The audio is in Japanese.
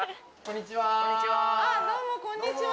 こんにちは。